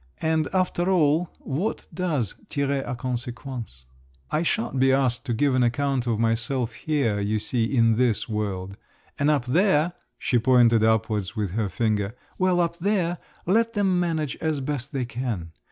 And after all, what does tire à consequence? I shan't be asked to give an account of myself here, you see—in this world; and up there (she pointed upwards with her finger), well, up there—let them manage as best they can.